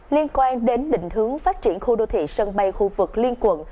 liên quan đến định hướng phát triển khu đô thị sân bay khu vực liên quận